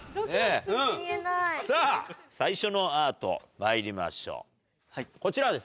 さぁ最初のアートまいりましょうこちらです。